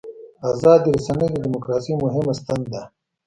ازادې رسنۍ د دیموکراسۍ مهمه ستن ده.